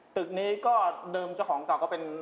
ตึกนี้ก็เดิมเจ้าของเก่าก็เป็น